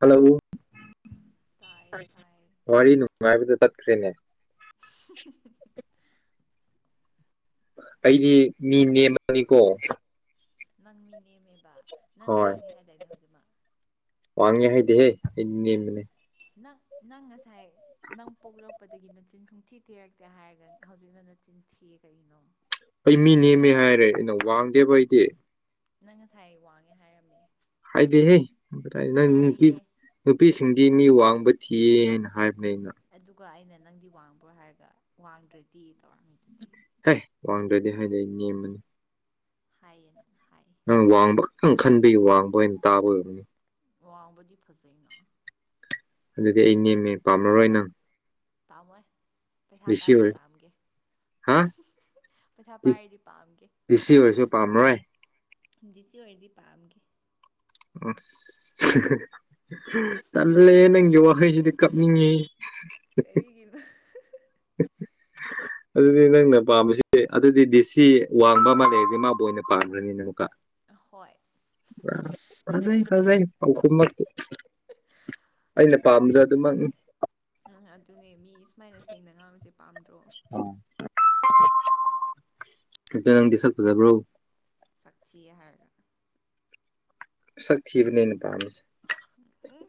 Hello ꯇꯥꯏꯌꯦ ꯇꯥꯏꯌꯦ ꯋꯥꯔꯤ ꯅꯨꯡꯉꯥꯏꯕꯗ ꯆꯠꯈ꯭ꯔꯦꯅꯦ [inaudible] ꯑꯩꯗꯤ ꯃꯤ ꯅꯦꯝꯃꯅꯤꯀꯣ ꯅꯪ ꯃꯤ ꯅꯦꯝꯃꯦꯕ ꯅꯪ ꯍꯣꯏ ꯋꯥꯡꯉꯦ ꯍꯥꯏꯗꯥꯏꯅꯦ ꯍꯧꯖꯤꯛꯃꯛ ꯋꯥꯡꯉꯦ ꯍꯥꯏꯗꯤꯍꯦ ꯑꯩꯗꯤ ꯅꯦꯝꯕꯅꯦ ꯅꯪ ꯅꯪꯉꯁꯥꯏ ꯅꯪ ꯄꯣꯛꯂꯛꯄꯗꯒꯤ ꯅꯆꯤꯟ ꯁꯨꯡꯊꯤ ꯊꯤꯔꯛꯇꯦ ꯍꯥꯏꯔꯒ ꯍꯧꯖꯤꯛꯅ ꯅꯆꯤꯟ ꯊꯤ ꯀꯅꯣ ꯑꯩ ꯃꯤ ꯅꯦꯝꯃꯦ ꯍꯥꯏꯔꯦ ꯑꯩꯅ ꯋꯥꯡꯗꯦꯕ ꯑꯩꯗꯤ ꯅꯪ ꯉꯁꯥꯏ ꯑꯩ ꯋꯥꯡꯉꯦ ꯍꯥꯏꯔꯝꯃꯤ ꯍꯥꯏꯗꯦ ꯍꯦ ꯀꯇꯥꯏ ꯅꯪ ꯅꯨꯄꯤꯁꯤꯡꯗꯤ ꯃꯤ ꯋꯥꯡꯕ ꯊꯤꯌꯦ ꯍꯥꯏꯅ ꯍꯥꯏꯕꯅꯦ ꯑꯩꯅ ꯑꯗꯨꯒ ꯑꯩꯅ ꯅꯪꯗꯤ ꯋꯥꯡꯕ꯭ꯔꯣ ꯍꯥꯏꯔꯒ ꯋꯥꯡꯗ꯭ꯔꯦꯗꯤ ꯇꯧꯔꯝꯃꯤꯗꯨꯗꯤ ꯍꯦ ꯋꯥꯡꯗ꯭ꯔꯗꯤ ꯍꯥꯏꯗꯤ ꯑꯩ ꯅꯦꯝꯕꯅꯤ ꯍꯥꯏꯌꯦ ꯅꯪ ꯍꯥꯏꯌꯦ ꯅꯪ ꯋꯥꯡꯕ ꯈꯛꯇꯪ ꯈꯟꯕꯤꯌ ꯋꯥꯡꯕ ꯑꯣꯏꯅ ꯇꯥꯕ ꯑꯣꯏꯕꯅꯤ ꯋꯥꯎꯕꯗꯤ ꯐꯖꯩꯅ ꯑꯗꯨꯗꯤ ꯑꯩ ꯅꯦꯝꯃꯦ ꯄꯥꯝꯂꯔꯣꯏ ꯅꯪ ꯄꯥꯝꯃꯣꯏ ꯄꯩꯁꯥ ꯗꯤꯁꯤ ꯄꯥꯏꯔꯗꯤ ꯑꯣꯏ ꯄꯥꯝꯒꯦ ꯍꯥ ꯄꯩꯁꯥ ꯗꯤ- ꯄꯥꯏꯔꯗꯤ ꯄꯥꯝꯒꯦ ꯗꯤꯁꯤ ꯑꯣꯏꯔꯁꯨ ꯄꯥꯝꯃꯔꯣꯏ ꯗꯤ ꯁꯤ ꯑꯣꯏꯔꯗꯤ ꯄꯥꯝꯒꯦ ꯑꯁ ꯇꯜꯂꯦ ꯅꯪꯒꯤ ꯋꯥꯍꯩꯁꯤꯗꯤ ꯀꯞꯅꯤꯡꯉꯤ ꯀꯔꯤꯒꯤꯅꯣ ꯑꯗꯨꯗꯤ ꯅꯪꯅ ꯄꯥꯝꯕꯁꯤ ꯑꯗꯨꯗꯤ ꯗꯤꯁꯤ ꯋꯥꯡꯕ ꯃꯥ ꯂꯩꯗꯤ ꯃꯥꯕꯨ ꯑꯣꯏꯅ ꯄꯥꯝꯒ꯭ꯔꯅꯤꯅꯦ ꯂꯨꯀꯥ ꯍꯣꯏ ꯑꯁ ꯐꯖꯩ ꯐꯖꯩ ꯄꯥꯈꯨꯝꯃꯛꯇꯤ ꯑꯩꯅ ꯄꯥꯝꯕꯗ ꯑꯗꯨꯃꯛꯅꯤ ꯎꯝ ꯑꯗꯨꯅꯦ ꯃꯤ ꯁꯨꯃꯥꯏꯅ ꯁꯦꯡꯅ ꯉꯥꯡꯕꯁꯦ ꯄꯥꯝꯗ꯭ꯔꯣ ꯅꯪꯗꯤ ꯁꯛ ꯐꯖꯕ꯭ꯔꯣ ꯁꯛ ꯊꯤ ꯍꯥꯏꯔꯒ ꯁꯛ ꯊꯤꯕꯅꯦꯅ ꯄꯥꯝꯃꯤꯁꯦ ꯎꯝ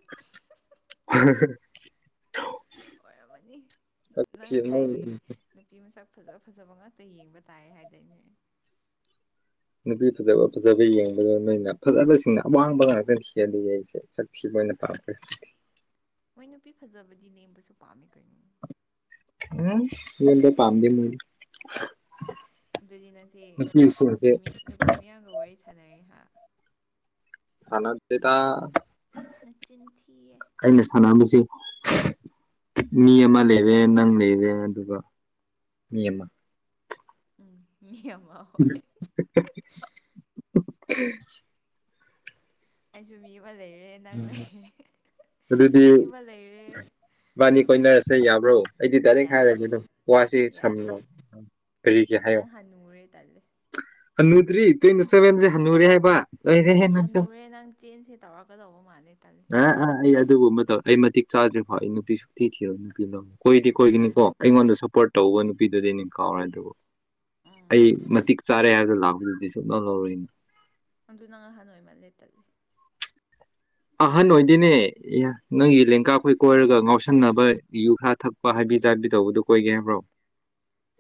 [unintelligible] ꯑꯣꯏꯔꯝꯃꯅꯤ ꯁꯛ ꯅꯪ ꯊꯤꯕ ꯉꯁꯥꯏꯗꯤ ꯅꯨꯄꯤ ꯃꯁꯛ ꯐꯖ ꯐꯖꯕ ꯉꯥꯛꯇ ꯌꯦꯡꯕ ꯇꯥꯏ ꯍꯥꯏꯗꯣꯏꯅꯦ ꯅꯨꯄꯤ ꯐꯖꯕ ꯐꯖꯕ ꯌꯦꯡꯕꯗ ꯅꯣꯏꯅ ꯐꯖꯕꯁꯤꯡꯅ ꯑꯋꯥꯡꯕ ꯉꯥꯛꯇ ꯍꯦꯜꯂꯤꯌꯦ ꯑꯩꯁꯦ ꯁꯛ ꯊꯤꯕ ꯑꯣꯏꯅ ꯄꯥꯄ ꯃꯣꯏ ꯅꯨꯄꯤ ꯐꯖꯕꯗꯤ ꯅꯦꯝꯕꯁꯨ ꯄꯥꯝꯃꯤ ꯀꯣꯏꯅꯣ ꯍꯗ ꯄꯝꯗꯤ ꯃꯣꯏ ꯑꯗꯨꯗꯤ ꯅꯁꯤ ꯅꯨꯄꯤ ꯅꯨꯄꯤ ꯃꯌꯥꯝꯒ ꯋꯥꯔꯤ ꯁꯥꯟꯅꯔꯦ ꯍꯥꯏ ꯁꯅꯗ ꯂꯩꯦꯇ ꯅꯆꯤꯟ ꯊꯌꯦ ꯑꯩꯅ ꯁꯥꯟꯁ ꯃꯤ ꯑꯃ ꯂꯩꯔꯦ ꯅꯪ ꯂꯩꯔꯦ ꯑꯗꯨꯒ ꯃꯤ ꯑꯃ ꯎꯝ ꯃꯤ ꯑꯃꯃ ꯎꯝ ꯎ ꯑꯩꯁꯨ ꯃꯤ ꯑꯃ ꯂꯩꯔꯦ ꯅꯪ ꯂꯩꯔꯦ ꯑꯗꯨꯗꯤ ꯃꯤ ꯑꯃ ꯂꯩꯔꯦ ꯏꯕꯥꯅꯤ ꯀꯣꯏꯅꯔꯁꯦ ꯌꯥꯕ꯭ꯔꯣ ꯑꯩꯗꯤ ꯇꯥꯏꯔꯦꯛ ꯌꯥꯗꯦ ꯍꯥꯏꯔꯒꯦ ꯑꯗꯨꯝ ꯋꯥꯁꯤ ꯌꯥꯗꯦ ꯁꯝꯅ ꯀꯔꯤꯒꯦ ꯍꯥꯏꯌꯣ ꯅꯪ ꯍꯟꯅꯨꯔꯦ ꯇꯜꯂꯦ ꯍꯟꯅꯨꯗ꯭ꯔꯤ ꯇ꯭ꯋꯦꯟꯇꯤ ꯁꯚꯦꯟꯁꯦ ꯍꯟꯅꯨꯔꯦ ꯍꯥꯏꯕ ꯂꯣꯏꯔꯦꯍꯦ ꯅꯪꯁꯨ ꯍꯜꯟꯅꯨꯔꯦ ꯅꯪ ꯆꯦꯟꯁꯦ ꯇꯧꯔꯛꯀꯗꯧꯕ ꯃꯥꯜꯂꯦ ꯇꯂꯦ ꯑ ꯑꯥ ꯑꯩ ꯑꯗꯨꯒꯨꯝꯕ ꯑꯃ ꯇꯧ ꯑꯩ ꯃꯇꯤꯛ ꯆꯥꯗ꯭ꯔꯤꯐꯥꯎ ꯑꯩ ꯅꯨꯄꯤꯁꯨ ꯊꯤ ꯊꯤꯔ ꯅꯨꯄꯤ ꯂꯧꯅꯤ ꯀꯣꯏꯗꯤ ꯎꯝ ꯀꯣꯏꯒꯅꯤꯀꯣ ꯑꯩꯉꯣꯟꯗ ꯁꯞꯄꯣꯔꯠ ꯇꯧꯕ ꯅꯨꯄꯤꯗꯨꯗꯤ ꯑꯩꯅ ꯀꯥꯎꯔꯦ ꯑꯗꯨꯕꯨ ꯎꯝ ꯑꯩ ꯃꯇꯤꯛ ꯆꯥꯔꯦ ꯍꯥꯏꯕꯗ ꯂꯥꯛꯄ ꯅꯨꯄꯤ ꯁꯨꯛ ꯂꯧ ꯂꯧꯔꯣꯏ ꯑꯩꯅ ꯑꯗꯨꯅꯪ ꯑꯍꯟ ꯑꯣꯏꯃꯜꯂꯦ ꯇꯜꯂꯦ ꯑꯍꯟ ꯑꯣꯏꯗꯤꯅꯦ ꯅꯪꯒꯤ ꯂꯦꯡꯒꯥꯈꯣꯏ ꯀꯣꯏꯔꯒ ꯉꯥꯎꯁꯤ ꯆꯁꯟꯅꯕ ꯌꯨ ꯈꯔ ꯊꯛꯄ ꯍꯥꯏꯕꯤ ꯆꯥꯕꯤ ꯇꯧꯕꯗꯨ ꯀꯣꯏꯒꯦ ꯍꯥꯏꯕ꯭ꯔꯣ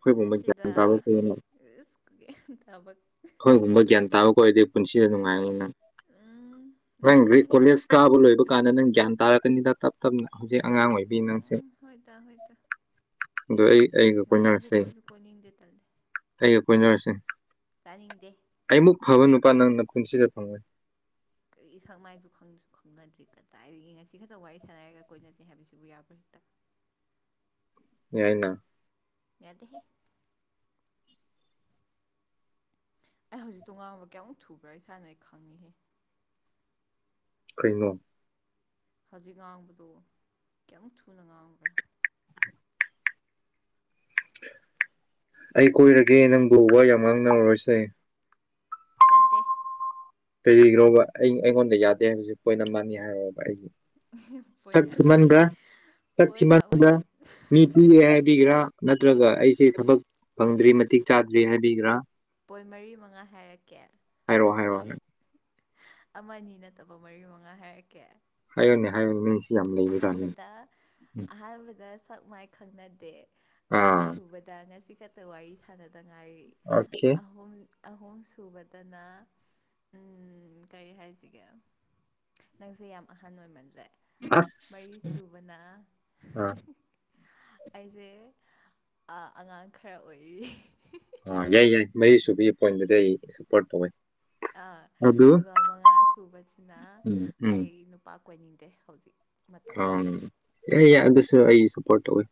ꯑꯩꯈꯣꯏꯒꯨꯝꯕ ꯒ꯭ꯌꯥꯟ ꯅꯠꯇꯗ ꯇꯥꯕ ꯀꯣꯏꯅ ꯔꯔꯤꯕ ꯑꯩꯈꯣꯏꯒꯨꯝꯕ ꯒ꯭ꯌꯥꯟ ꯇꯥꯕ ꯀ ꯑꯣꯏꯗꯦ ꯄꯨꯟꯁꯤꯗ ꯅꯨꯡꯉꯥꯏꯅꯤ ꯅꯪ ꯎꯝ ꯅꯪꯒꯔꯤ ꯅꯨꯡꯉꯥꯏꯅꯤ ꯀꯣꯂꯦꯖ ꯀꯥꯕ ꯂꯣꯏꯕ ꯀꯥꯟꯗ ꯅꯪ ꯒ꯭ꯌꯥꯟ ꯇꯥꯔꯛꯀꯅꯤꯗ ꯇꯞ ꯇꯞꯅ ꯍꯧꯖꯤꯛ ꯑꯉꯥꯡ ꯑꯣꯏꯕꯤ ꯅꯪꯁꯦ ꯎꯝ ꯍꯣꯏ ꯇ ꯍꯣꯏ ꯇ ꯑꯗꯣ ꯑꯩ ꯅꯨꯄꯥꯁꯨ ꯀꯣꯏꯁꯨ ꯀꯣꯏꯅꯤꯡꯗꯦ ꯇꯜꯦ ꯑꯩ ꯀꯣꯏꯅꯔꯁꯤ ꯆꯥꯅꯤꯡꯗꯦ ꯑꯩꯃꯨꯛ ꯐꯕ ꯅꯨꯄꯥ ꯅꯪꯅ ꯄꯨꯟꯁꯤꯗ ꯐꯪꯂꯉꯣꯏ ꯀꯔꯤ ꯁꯪ ꯃꯥꯏꯁꯨ ꯈꯪꯁꯨ ꯈꯪꯅꯗ꯭ꯔꯤ ꯀꯗꯥꯏꯗꯒꯤ ꯉꯁꯤ ꯈꯛꯇ ꯋꯥꯔꯤ ꯁꯥꯟꯅꯔꯒ ꯀꯣꯏꯅꯁꯤꯦ ꯍꯥꯏꯕꯁꯤꯕꯨ ꯌꯥꯕ꯭ꯔꯥ ꯍꯦꯛꯇ ꯌꯥꯏꯅ ꯌꯥꯗ ꯑꯩ ꯍꯧꯖꯤꯛ ꯇꯣꯉꯥꯟꯕ ꯀꯌꯥꯃꯨꯛ ꯊꯨꯕ꯭ꯔꯥ ꯏꯁꯥꯅ ꯑꯩ ꯈꯪꯉꯤꯍꯦ ꯀꯩꯩꯅꯣ ꯍꯧꯖꯤꯛ ꯉꯥꯡꯕꯗꯣ ꯀꯩ ꯊꯨꯅ ꯉꯥꯡꯈ꯭ꯔꯦ ꯑꯩ ꯀꯣꯏꯔꯒꯦ ꯅꯪꯕꯨꯕ ꯌꯥꯝ ꯃꯥꯡꯅꯧꯔꯔꯁꯦ ꯆꯪꯗꯦ ꯂꯩꯕꯤꯈ꯭ꯔꯣꯕ ꯑꯩ ꯑꯩꯉꯣꯟꯗ ꯌꯥꯗꯦ ꯍꯥꯏꯕꯕꯁꯤꯦ ꯄꯣꯏꯟ ꯑꯃꯅꯤꯅꯤ ꯍꯥꯏꯔꯕ ꯑꯩꯒꯤ ꯄꯣꯏꯟ ꯁꯛ ꯑꯃꯅꯤ ꯊꯤꯃꯟꯕ꯭ꯔꯥꯛ ꯄꯣꯏꯟ ꯊꯤꯃꯟꯕ꯭ꯔꯥ ꯑꯃꯅꯤ ꯃꯤ ꯄꯤꯌꯦꯦ ꯍꯥꯏꯕꯤꯒꯦꯔꯥ ꯅꯠꯇ꯭ꯔꯒ ꯑꯩꯁꯦ ꯊꯕꯛ ꯐꯪꯗ꯭ꯔꯤ ꯃꯇꯤꯛ ꯆꯥꯗ꯭ꯔꯤ ꯍꯥꯏꯕꯤꯒꯔꯥ ꯄꯣꯏ ꯃꯔꯤ ꯃꯉꯥ ꯍꯥꯏꯔꯛꯀꯦ ꯍꯥꯏꯔꯛꯑꯣ ꯍꯥꯏꯔꯛꯑꯣ ꯑꯃꯅꯤ ꯅꯠꯇꯕ ꯃꯔꯤ ꯃꯉꯥ ꯍꯥꯏꯔꯛꯀꯦ ꯍꯥꯏꯌꯅꯦ ꯍꯥꯏꯌꯅꯦ ꯑꯍꯥꯟꯕꯗ ꯑꯍꯥꯟꯕꯗ ꯁꯛ ꯃꯥꯏ ꯈꯪꯅꯗꯦ ꯑꯅꯤ ꯑꯥ ꯁꯨꯕꯗ ꯉꯁꯤ ꯈꯛꯇ ꯋꯥꯔꯤ ꯁꯥꯟꯅꯗꯉꯥꯏ ꯑꯈꯦ ꯑꯍꯨꯝ ꯑꯍꯨꯝ ꯁꯨꯕꯗꯅ ꯎꯝ ꯀꯔꯤ ꯍꯥꯏꯁꯤꯒꯦ ꯅꯪꯁꯦ ꯌꯥꯝ ꯑꯍꯟ ꯑꯣꯏꯃꯜꯂ꯭ꯔꯦ ꯑꯁ ꯑꯥ ꯑꯩꯁꯦ ꯑꯉꯥꯡ ꯈꯔ ꯑꯣꯏꯔꯤ꯫ ꯑꯥ ꯌꯥꯏ ꯌꯥꯏ ꯃꯔꯤꯁꯨꯨꯕꯒꯤ ꯄꯣꯏꯟꯗꯨꯗꯤ ꯑꯩ ꯁꯞꯄꯣꯔꯠ ꯇꯧꯋꯦ ꯑꯥ ꯑꯗꯨ ꯑꯗꯨꯒ ꯃꯉꯥ ꯁꯨꯕꯁꯤꯅ ꯎꯝ ꯎꯝ ꯑꯩ ꯅꯨꯄꯥ꯫ ꯀꯣꯏꯅꯤꯡꯗꯦ ꯍꯧꯖꯤꯛ꯫ ꯑ ꯃꯇꯝꯁꯦ ꯌꯥ ꯌꯥꯏ ꯑꯗꯨꯁꯨ ꯑꯩ ꯁꯞꯄꯣꯔꯠ ꯇꯧꯋꯤ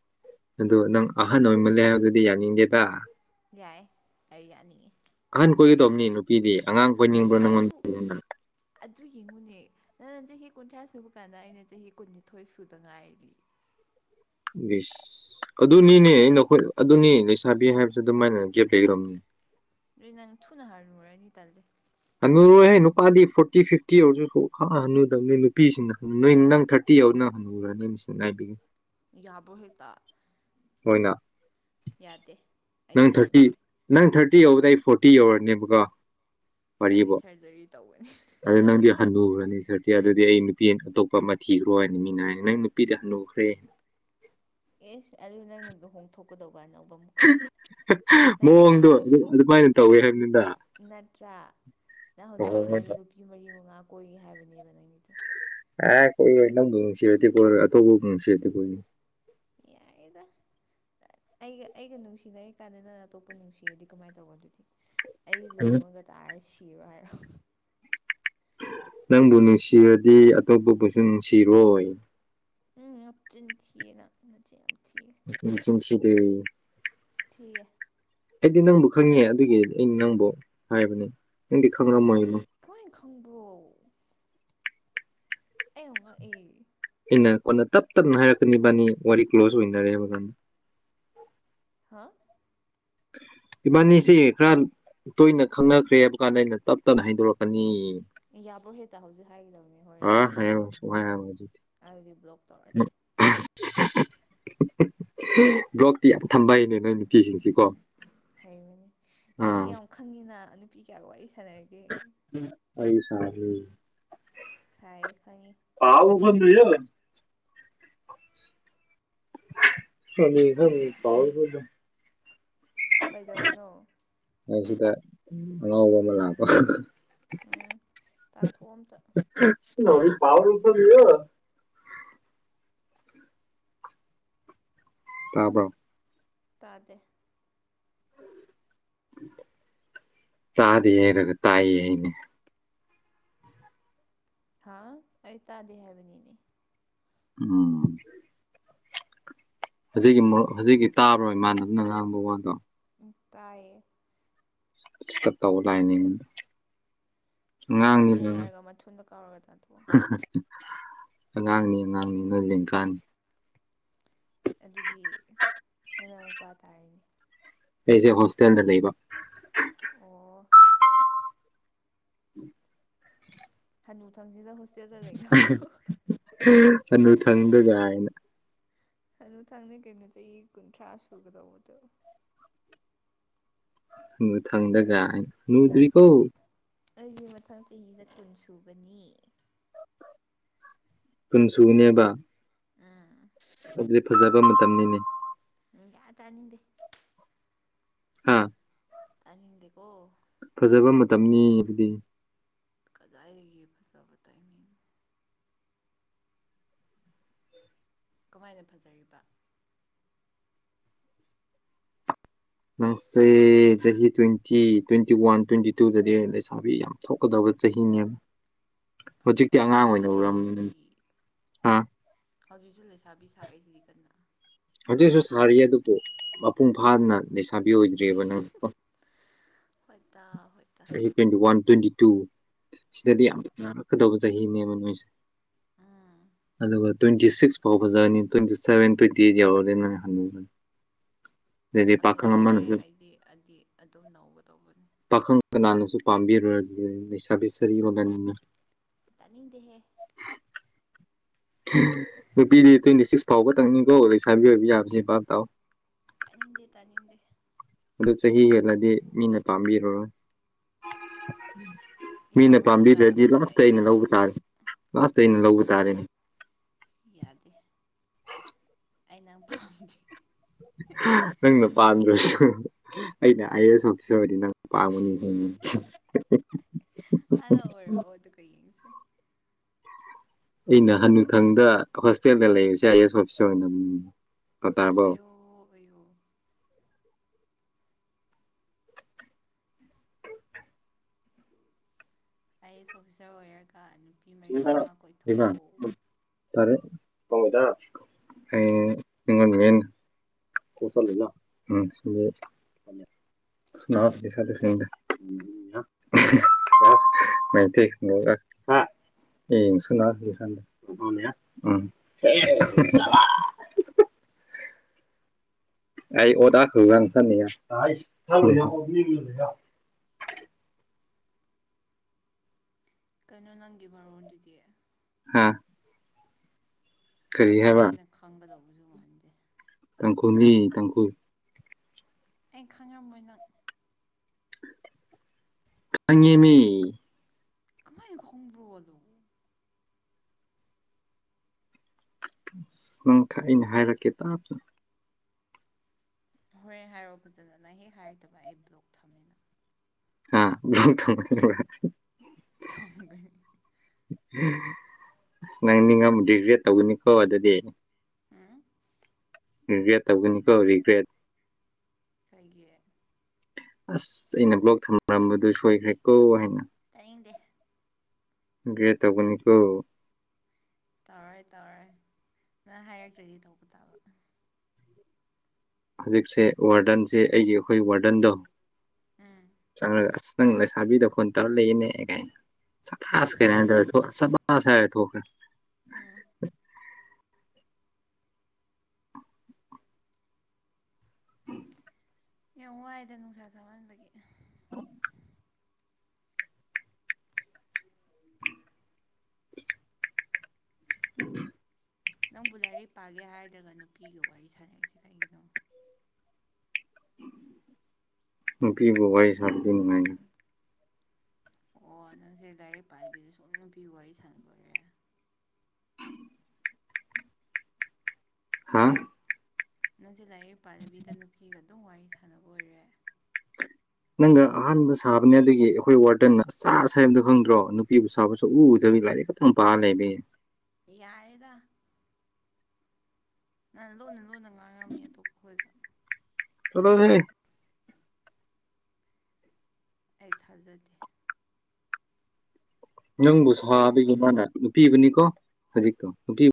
ꯑꯗꯣ ꯅꯪ ꯑꯍꯟ ꯑꯣꯏꯃꯜꯂꯦ ꯍꯥꯏꯕ ꯑꯗꯨꯗꯤ ꯌꯥꯅꯤꯡꯗꯦꯗ ꯌꯥꯏ ꯑꯩ ꯌꯥꯅꯤꯡꯉꯤ ꯑꯍꯟ ꯀꯣꯏꯒꯗꯧꯕꯅꯤ ꯅꯨꯄꯤꯗꯤ ꯑꯉꯥꯡ ꯀꯣꯏꯅꯤꯡꯕ꯭ꯔꯣ ꯅꯪ ꯑꯗꯨ [unintelligible] ꯑꯗꯨ ꯌꯦꯡꯉꯨꯅꯦ ꯅꯪ ꯅꯪ ꯆꯍꯤ ꯀꯨꯟꯊ꯭ꯔꯥ ꯁꯨꯕ ꯀꯥꯟꯗ ꯑꯩꯅ ꯆꯍꯤ ꯀꯨꯟꯅꯤꯊꯣꯏ ꯁꯨꯗ ꯉꯥꯏꯔꯤ ꯢꯁ ꯑꯗꯨꯅꯤꯅꯦ ꯅꯈꯣꯏ ꯑꯗꯨꯅꯤ ꯂꯩꯁꯥꯕꯤ ꯍꯥꯏꯕꯁꯨ ꯑꯗꯨꯃꯥꯏꯅ ꯒꯦꯞ ꯂꯩꯒꯗꯝꯅꯦ ꯑꯗꯨ ꯅꯪ ꯊꯨꯅ ꯍꯥꯔꯅ ꯍꯔꯦꯅꯤꯇꯔꯦ ꯍꯜꯉꯨꯔꯣꯏꯍꯦ ꯅꯨꯄꯥꯗꯤ ꯐꯣꯔꯇꯤ ꯐꯤꯐꯇꯤ ꯑꯣꯏꯔꯁꯨ ꯁ ꯍꯥ ꯍꯜꯟꯅꯨꯗꯕ ꯅꯣꯏ ꯅꯨꯄꯤꯁꯤꯡꯅ ꯍꯪ ꯅꯣꯏ ꯅꯪ ꯊꯥꯔꯇꯤ ꯌꯥꯔ ꯅ ꯍꯜꯂꯨ ꯍꯁꯤꯡꯅꯕꯤꯒꯦ ꯌꯥꯕ ꯍꯦꯇꯥ ꯃꯣꯏꯅ ꯌꯥꯗꯦ ꯅꯪ ꯑꯩꯗꯤ ꯊꯥꯔꯇꯤ ꯍꯜꯂꯨꯔꯦ ꯅꯪ ꯊꯥꯔꯇꯤ ꯌꯧꯕꯗ ꯑꯩ ꯐꯣꯔꯇꯤ ꯌꯧꯔꯅꯦꯕꯀꯣ ꯑꯩꯗꯤ ꯁꯔꯖꯔꯤ ꯇꯧꯋꯅꯤ ꯑꯗꯨꯗ ꯅꯪꯗꯤ ꯍꯟꯅꯨꯈ꯭ꯔꯅꯤ ꯁꯥꯔꯗꯤꯤ ꯑꯗꯨꯗꯤ ꯑꯩ ꯅꯨꯄꯤ ꯑꯇꯣꯞꯄ ꯑꯃ ꯊꯤꯈ꯭ꯔꯣꯅ ꯃꯤꯅ ꯍꯥꯏ ꯅꯪ ꯅꯨꯄꯤꯗꯤ ꯍꯟꯅꯨꯈ꯭ꯔꯦ ꯑꯦꯁ ꯑꯂꯨ ꯅꯪꯗꯣ ꯍꯣꯡꯊꯣꯛꯀꯗꯧꯕ ꯑꯅꯧꯕ ꯑꯃꯨꯛꯀ ꯅꯠꯇ꯭ꯔꯥ ꯃꯑꯣꯡꯗꯣ ꯑꯗꯨꯃꯥꯏꯅ ꯇꯧꯋꯦ ꯍꯥꯏꯕꯅꯤꯗ ꯅꯠꯇ꯭ꯔ ꯅꯪ ꯍꯧꯖꯤꯛ ꯈ꯭ꯋꯥꯏꯗ ꯃꯑꯣꯡꯗꯣ ꯅꯨꯄꯤ ꯃꯔꯤ ꯃꯉꯥ ꯀꯣꯏ ꯍꯥꯏꯕꯅꯦꯕ ꯅꯪꯒꯤꯗꯣ [unintelligible] ꯌꯥꯏꯌꯦꯗ ꯑꯩꯒ ꯑꯩꯒ ꯅꯨꯡꯁꯤꯅꯔꯤ ꯀꯥꯟꯗ ꯅꯪꯅ ꯑꯇꯣꯞꯄ ꯅꯨꯡꯁꯤꯔꯗꯤ ꯀꯃꯥꯏꯅ ꯇꯧꯕ ꯑꯗꯨꯗꯤ꯫ ꯑꯩ ꯂꯣꯡꯉꯒ ꯇꯥꯔ ꯁꯤꯔꯣ ꯍꯥꯏꯔꯣ꯫ ꯅꯪꯕꯨ ꯅꯨꯡꯁꯤꯔꯗꯤ ꯑꯇꯣꯞꯄꯕꯨꯁꯨ ꯅꯨꯡꯁꯤꯔꯣꯏ ꯎꯝ ꯅꯥꯞꯆꯤꯟ ꯊꯤꯌꯦꯅ ꯅꯆꯤꯟ ꯌꯥꯝ ꯊꯤꯌꯦ ꯃꯆꯤꯟꯊꯤꯗꯦ꯫ ꯊꯤꯌꯦ ꯑꯩꯗꯤ ꯅꯪꯕꯨ ꯈꯪꯉꯦ ꯑꯗꯨꯒꯤ ꯑꯩ ꯅꯪꯕꯨ ꯍꯥꯏꯕꯅꯦ ꯅꯪꯗꯤ ꯈꯪꯉꯝꯃꯣꯏꯉꯣ ꯀꯃꯥꯏ ꯈꯪꯕ꯭ꯔꯣ ꯑꯩꯌꯥꯝ ꯉꯛꯑꯦ ꯑꯩꯅ ꯀꯣꯟꯅ ꯇꯞ ꯇꯞꯅ ꯍꯥꯏꯔꯛꯀꯅꯤꯕꯥꯅꯤ ꯋꯥꯔꯤ ꯀ꯭ꯂꯣꯖ ꯑꯣꯏꯅꯔꯦ ꯃꯕꯅꯤ꯫ ꯍꯥ ꯏꯕꯥꯅꯤꯁꯦ ꯈꯔ ꯇꯣꯏꯅ ꯈꯪꯅꯈ꯭ꯔꯦ ꯍꯥꯏꯕ ꯀꯥꯟꯗ ꯑꯩꯅ ꯇꯞ ꯇꯞꯅ ꯍꯥꯏꯗꯣꯔꯛꯀꯅꯤ ꯑꯦ ꯌꯥꯕ꯭ꯔꯣ ꯍꯦꯛꯇ ꯍꯧꯖꯤꯛ ꯍꯥꯏꯒꯗꯕꯅꯦ ꯍꯣꯔꯦꯟ ꯑ [unintelligible] ꯑꯗꯨꯗꯤ ꯕ꯭ꯂꯣꯛ ꯇꯧꯔ꯫ ꯕ꯭ꯂꯣꯛꯇꯤ ꯌꯥꯝ ꯊꯝꯕ ꯍꯩꯅꯦ ꯅꯣꯏ ꯅꯨꯄꯤꯁꯤꯡꯁꯤꯀꯣ ꯍꯩꯕꯅꯦ ꯅꯪ ꯑꯥ ꯌꯥꯝ ꯈꯪꯉꯤꯅ ꯅꯨꯄꯤ ꯀꯌꯥꯒ ꯋꯥꯔꯤ ꯁꯥꯟꯅꯔꯒꯦ ꯑꯩ ꯁꯥꯢꯌꯦ ꯈꯪꯢ ꯄꯥꯎ [unintelligible] ꯄꯋꯥꯔ [unintelligible] ꯀꯩꯗꯧꯔꯤꯅꯣ ꯑꯩ ꯁꯤꯗ ꯑꯉꯥꯎꯕ ꯑꯃ ꯂꯥꯛꯄ [unintelligible] [unintelligible] ꯇꯥꯟꯊꯣꯛ ꯑꯣ ꯑꯝꯇ [unintelligible] ꯇꯥꯄ ꯇꯥꯗꯦ ꯇꯥꯗꯤꯔꯔꯦ ꯇꯥꯏꯌꯦꯅꯦ ꯍꯥ ꯑꯩ ꯇꯥꯗꯦ ꯍꯥꯏꯕꯅꯤꯅꯦ ꯎꯝ ꯍꯧꯖꯤꯛꯀꯤ ꯍꯧꯖꯤꯛꯀꯤ ꯇꯥꯕꯔꯣ ꯏꯃꯥꯟꯅꯕꯅ ꯉꯥꯡꯕ ꯋꯥꯗꯣ ꯇꯥꯏꯌꯦ ꯐꯂꯥꯠ ꯇꯧꯕ ꯂꯥꯛꯏꯅꯦ ꯇꯥꯟꯊꯣꯛꯑꯣ ꯍꯥꯏꯔꯒ ꯃꯊꯨꯟꯗ ꯀꯥꯎꯔꯒ ꯇꯥꯟꯊꯣꯛꯑꯣ ꯑꯉꯥꯡꯅꯤ ꯑꯉꯥꯡꯅꯤ ꯅꯣꯏ ꯂꯦꯡꯒꯥꯅꯤ ꯑꯗꯨꯗꯤ ꯅꯥꯅꯥꯎ ꯅꯨꯄꯥ ꯇꯥꯔꯦꯅꯦ ꯑꯩꯁꯦ ꯍꯣꯁꯇꯦꯜꯗ ꯂꯩꯕ ꯑꯣ [unintelligible] ꯍꯅꯨ ꯊꯪꯁꯤꯗ ꯍꯣꯁꯇꯦꯜꯗ ꯂꯩꯅꯕ꯭ꯔꯣ ꯍꯅꯨ ꯊꯪꯗ ꯒꯥꯢꯅ ꯍꯅꯨ ꯊꯪꯅꯦ ꯀꯩꯅꯣ ꯆꯍꯤ ꯀꯨꯟꯊ꯭ꯔꯥ ꯁꯨꯒꯗꯧꯕꯗꯣ ꯍꯅꯨꯊꯪꯗ ꯒꯥꯢꯅ ꯍꯅꯨꯗꯔꯤ ꯀꯣ ꯑꯩꯁ ꯃꯊꯪ ꯆꯍꯤꯗ ꯀꯨꯟ ꯁꯨꯒꯅꯤ ꯀꯨꯟ ꯁꯨꯅꯦꯕ ꯎꯝ ꯑꯗꯨꯗꯤ ꯐꯖꯕ ꯃꯇꯝꯅꯤꯅꯦ ꯁꯨꯡꯇꯥ ꯇꯥꯅꯤꯡꯗꯦ ꯍꯥ ꯇꯥꯅꯤꯡꯗꯦꯀꯣ ꯐꯖꯕ ꯃꯇꯝꯅꯤ ꯍꯥꯏꯕꯗꯤ ꯀꯗꯥꯏꯗ ꯌꯦ ꯐꯁꯕ ꯇꯥꯏ ꯃꯤꯡ ꯀꯃꯥꯏꯅ ꯐꯖꯔꯤꯕ ꯅꯪꯁꯦ ꯎꯝ ꯆꯍꯤ ꯇ꯭ꯋꯦꯟꯇꯤ ꯇ꯭ꯋꯦꯟꯇꯤ ꯋꯥꯟ ꯇ꯭ꯋꯦꯟꯇꯤ ꯇꯨꯗꯗꯤ ꯂꯩꯁꯥꯕꯤ ꯌꯥꯝ ꯊꯣꯛꯀꯗꯕ ꯆꯍꯤꯅꯦꯕ ꯍꯧꯖꯤꯛꯇꯤ ꯑꯉꯥꯡ ꯍꯧꯖꯤꯛꯁꯨ ꯑꯣꯏꯅ ꯎꯔꯝꯅꯤ ꯊꯣꯛꯏꯁꯤꯗꯤ ꯍꯥ ꯍꯧꯖꯤꯛꯁꯨ ꯂꯩꯁꯥꯕꯤ ꯁꯥꯔꯛꯏꯁꯤꯗꯤ ꯀꯟꯅ ꯍꯧꯖꯤꯛꯁꯨ ꯁꯥꯔꯤ ꯑꯗꯨꯕꯨ ꯃꯄꯨꯡ ꯐꯥꯅ ꯂꯩꯁꯥꯕꯤ ꯑꯣꯏꯗ꯭ꯔꯤꯕ ꯅꯪ ꯍꯣꯏꯇꯥ ꯍꯣꯏꯇꯥ ꯆꯍꯤ ꯇ꯭ꯋꯦꯟꯇꯤ ꯋꯥꯟ ꯇ꯭ꯋꯦꯟꯇꯤ ꯇꯨ ꯁꯤꯗꯗꯤ ꯎꯝ ꯌꯥꯝꯔꯛꯀꯗꯕ ꯆꯍꯤꯅꯦꯕ ꯅꯣꯏꯁꯦ ꯎꯝ ꯑꯗꯨꯒ ꯇ꯭ꯋꯦꯟꯇꯤ ꯁꯤꯛꯁ ꯐꯥꯎꯕꯖꯅꯤ ꯇ꯭ꯋꯦꯟꯇꯤ ꯁꯚꯦꯟ ꯇ꯭ꯋꯦꯟꯇꯤ ꯇꯤ ꯌꯧꯔꯗꯤꯅꯦ ꯍꯅꯨꯔꯣꯏꯍꯦ ꯑꯩꯗꯤ ꯑꯗꯨꯗꯤ ꯑꯗꯨꯝ ꯅꯧꯒꯗꯧꯕꯅꯤ ꯄꯥꯈꯪ ꯀꯅꯥꯅꯁꯨ ꯄꯥꯝꯕꯤꯔꯣꯏ ꯑꯗꯨꯗꯤ ꯂꯩꯁꯥꯕꯤ ꯁꯥꯔꯤ ꯑꯣꯏꯔꯒꯅꯤ ꯇꯅꯤꯡꯗꯦꯍꯦ ꯅꯨꯄꯤꯗꯤ ꯇ꯭ꯋꯦꯟꯇꯤ ꯁꯤꯛꯁ ꯐꯥꯎꯕꯇꯪꯅꯤꯀꯣ ꯂꯩꯁꯥꯕꯤ ꯑꯣꯏꯕ ꯌꯥꯕꯁꯦ ꯚꯥꯞ ꯇꯥꯎ ꯇꯥꯅꯤꯡꯗꯦ ꯇꯥꯅꯤꯡꯗꯦ ꯑꯗꯨ ꯆꯍꯤ ꯍꯦꯜꯂꯗꯤ ꯃꯤꯅ ꯄꯥꯝꯕꯤꯔꯔꯣꯢ ꯃꯤꯅ ꯌꯥꯕ꯭ꯔꯣ ꯍꯦꯛꯇ ꯄꯥꯝꯕꯤꯗ꯭ꯔꯗꯤ ꯂꯥꯁꯇ ꯑꯩꯅ ꯂꯧꯕ ꯇꯥꯔꯦ ꯂꯥꯁꯇ ꯑꯩꯅ ꯂꯧꯕ ꯏꯁ ꯇꯥꯔꯦꯅꯦ ꯌꯥꯗꯦ ꯑꯩ ꯅꯪ ꯄꯥꯝꯗꯦ ꯅꯪꯅ ꯄꯥꯝꯗ꯭ꯔꯁꯨ ꯑꯩꯅ ꯑ ꯑꯦꯁ ꯑꯣꯐꯤꯁꯗꯤ ꯅꯪ ꯄꯥꯒꯅꯤ ꯍꯥꯟꯅ ꯑꯣꯏꯔꯛꯑꯣ ꯑꯗꯨꯒ ꯌꯦꯡꯁꯦ ꯑꯩꯅ ꯍꯨꯊꯪꯗ ꯍꯣꯁꯇꯦꯜꯗ ꯂꯩꯕꯁꯦ I A S officer ꯑꯣꯏꯅꯤꯡꯉꯥꯏꯅꯦ ꯑꯣꯢꯌꯣ ꯑꯣꯏꯌꯣ I S officer ꯑꯣꯏꯔꯒ ꯅꯨꯄꯤ ꯃꯔꯤ ꯃꯉꯥ ꯀꯣꯏꯊꯣꯛꯑꯣ ꯐꯔꯦ ꯑꯩ ꯉꯣꯟꯉꯩꯅ [unintelligible] [unintelligible] [unintelligible] [unintelligible] [unintelligible] ꯀꯩꯅꯣ ꯅꯪꯒꯤ ꯃꯔꯣꯟꯗꯨꯗꯤ ꯍꯥꯥ ꯅꯪ ꯍꯥꯏꯕ ꯑꯩꯅ ꯈꯪꯒꯗꯧꯕꯖꯨ ꯃꯥꯟꯗꯦ ꯇꯥꯡꯈꯨꯜꯂꯤ ꯇꯥꯡꯈꯨꯜ ꯑꯩ ꯈꯪꯉꯝꯃꯣꯏ ꯅꯪ ꯈꯪꯉꯦꯃꯤ ꯀꯃꯥꯏꯅ ꯈꯣꯡꯕ꯭ꯔꯣ ꯑꯗꯣ ꯑꯁ ꯅꯪ ꯑꯩꯅ ꯍꯥꯏꯔꯛꯀꯦ ꯇꯥꯞꯅ ꯍꯣꯔꯦꯟ ꯍꯥꯏꯔꯣ ꯐꯖꯅ ꯅꯪ ꯍꯦꯛ ꯍꯥꯏꯔꯛꯇꯕ ꯑꯩ ꯕ꯭ꯂꯣꯛ ꯊꯝꯃꯦ ꯅꯪ ꯑꯥ ꯕ꯭ꯂꯣꯛ ꯊꯃꯛꯗꯕ꯭ꯔꯥ ꯊꯝꯒꯦ ꯑꯁ ꯅꯪ ꯅꯤꯡꯉꯝꯒꯤ ꯒ꯭ꯔꯦꯠ ꯇꯧꯒꯅꯤꯀꯣ ꯑꯗꯨꯗꯤ ꯍꯨꯝ ꯔꯤꯒ꯭ꯔꯦꯠ ꯇꯧꯒꯅꯤꯀꯣ ꯔꯤꯒ꯭ꯔꯦꯠ ꯀꯩꯒꯤ ꯑꯁ ꯑꯩꯅ ꯕ꯭ꯂꯣꯛ ꯊꯝꯔꯝꯕꯗꯨ ꯁꯣꯏꯒ꯭ꯔꯦꯀꯣ ꯍꯥꯏꯅ ꯇꯥꯏꯅꯤꯡꯗꯦ ꯒ꯭ꯔꯦꯠ ꯇꯧꯒꯅꯤꯀꯣ ꯇꯧꯔꯣꯏ ꯇꯧꯔꯣꯏ ꯅꯪ ꯍꯥꯏꯔꯛꯇ꯭ꯔꯗꯤ ꯇꯧꯕ ꯇꯥꯕ ꯍꯧꯖꯤꯛꯁꯦ ꯋꯥꯔꯗꯟꯁꯦ ꯑꯩꯒꯤ ꯑꯩꯈꯣꯏ ꯋꯥꯔꯗꯟꯗꯣ ꯎꯝ ꯆꯪꯔꯒ ꯑꯁ ꯅꯪ ꯂꯩꯁꯥꯕꯤꯗ ꯐꯣꯟ ꯇꯧꯔ ꯂꯩꯌꯦꯅꯦ ꯀꯥꯏꯅ ꯁꯐꯥꯁ ꯀꯥꯏꯅ ꯗ꯭ꯔꯗꯣ ꯁꯕꯥꯥꯁ ꯍꯥꯏꯔ ꯊꯣꯛꯈ꯭ꯔꯦ ꯎꯝ ꯌꯥꯝ ꯋꯥꯏꯗ ꯅꯨꯡꯁꯥ ꯁꯥꯃꯟꯕꯒꯤ [unintelligible] ꯅꯪꯕꯨ ꯂꯥꯏꯔꯤꯛ ꯄꯥꯒꯦ ꯍꯥꯏꯗ꯭ꯔꯒ ꯅꯨꯄꯤꯒ ꯋꯥꯔꯤ ꯁꯥꯟꯅꯔꯤꯁꯦ ꯀꯩꯒꯤꯅꯣ ꯅꯨꯄꯤꯒ ꯋꯥꯔꯤ ꯁꯥꯥꯕꯗꯤ ꯅꯨꯡꯉꯥꯏꯅ ꯑꯣ ꯅꯪꯁꯦ ꯂꯥꯏꯔꯤꯛ ꯄꯥꯏꯕꯤꯗ ꯁꯨꯝ ꯅꯨꯄꯤꯒ ꯋꯥꯔꯤ ꯁꯥꯟꯅꯕꯒꯦ ꯍꯥꯥ ꯅꯪꯁꯦ ꯂꯥꯏꯔꯤꯛ ꯄꯥꯗꯕꯤꯗ ꯅꯨꯄꯤꯒ ꯑꯗꯨꯝ ꯋꯥꯔꯤ ꯁꯥꯟꯅꯕ ꯑꯣꯏꯔꯦ ꯅꯪꯒ ꯑꯍꯥꯟꯕ ꯁꯥꯕꯅꯦ ꯑꯗꯨꯒꯤ ꯑꯩꯈꯣꯏ ꯋꯥꯔꯗꯦꯟꯅ ꯁꯥꯁ ꯍꯥꯏꯕꯗꯣ ꯈꯪꯗ꯭ꯔꯣ ꯅꯨꯄꯤꯕꯨ ꯁꯥꯕ ꯁꯨꯛꯎ ꯎꯗꯕꯤ ꯂꯥꯏꯔꯤꯛ ꯗꯨꯝ ꯄꯥꯔ ꯂꯩꯕꯩ ꯌꯥꯔꯦꯗꯥ ꯅꯪꯅ ꯂꯣꯟꯅ ꯂꯣꯟꯅ ꯉꯥꯡꯉꯝꯅꯤ ꯑꯇꯣꯞꯄꯈꯣꯏꯒ ꯆꯠꯂꯣꯍꯦ ꯑꯩ ꯊꯥꯖꯗꯦ ꯅꯪꯕꯨ ꯁꯥꯕꯒꯤ ꯃꯥꯅ ꯅꯨꯄꯤꯕꯨꯅꯤꯀꯣ ꯍꯧꯖꯤꯛꯇꯣ ꯅꯨꯄꯤ